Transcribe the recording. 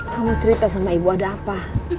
kamu cerita sama ibu ada apa